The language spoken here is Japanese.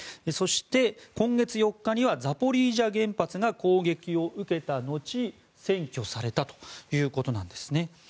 そして、今月４日にはザポリージャ原発が攻撃を受けた後占拠されたということなんです。